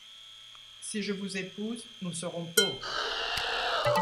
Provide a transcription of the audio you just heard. Si je vous épouse, nous serons pauvres.